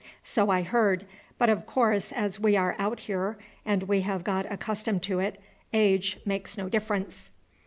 "So I heard; but of course as we are out here, and we have got accustomed to it, age makes no difference."